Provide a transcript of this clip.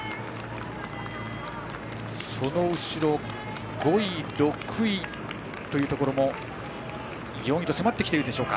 その後ろ５位、６位というところも４位に迫ってきているでしょうか。